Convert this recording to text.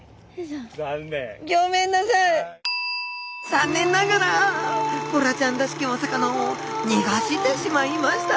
残念ながらボラちゃんらしきお魚をにがしてしまいました。